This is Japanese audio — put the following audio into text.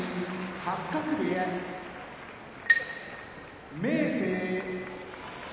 八角部屋明生